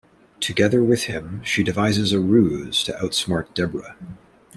Together with him, she devises a ruse to outsmart Debra.